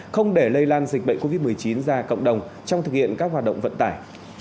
không để lây lan dịch bệnh covid một mươi chín ra cộng đồng trong thực hiện các hoạt động vận tải